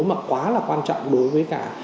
mà quá là quan trọng đối với cả